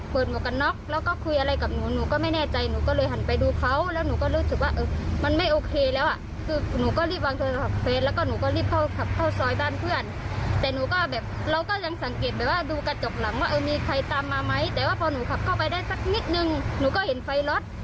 พอหนูขับเข้าไปได้สักนิดนึงหนูก็เห็นไฟล็อต